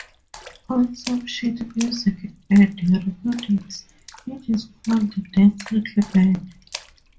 On some sheet music and recordings it is called "Dance Little Bird".